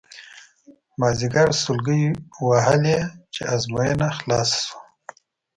مازیګر سلګۍ وهلې چې ازموینه خلاصه شوه.